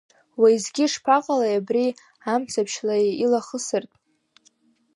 Уеизгьы ишԥаҟалеи абри, амцаԥшь леи илахысыртә!